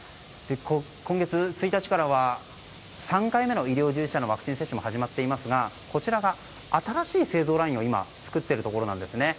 今月１日からは３回目の医療従事者のワクチン接種も始まっていますがこちらが新しい製造ラインを今作っているところです。